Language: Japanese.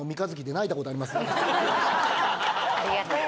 ありがとうやで。